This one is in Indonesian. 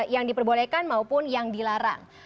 yang diperbolehkan maupun yang dilarang